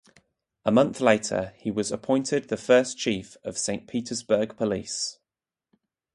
A month later, he was appointed the first chief of Saint Petersburg Police.